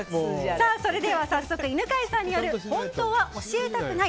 それでは早速、犬飼さんによる本当は教えたくない！